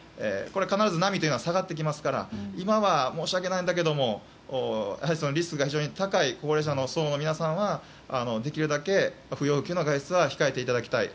必ず、波というのは下がってきますから今は申し訳ないんだけどもリスクが非常に高い高齢者の層の皆さんはできるだけ不要不急の外出は控えていただきたい。